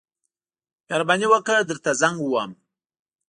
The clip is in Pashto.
مهرباني وکړه درته زنګ ووهم.